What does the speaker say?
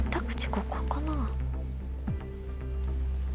ここかな？